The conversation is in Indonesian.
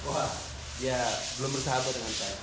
wah ya belum bersahabat dengan saya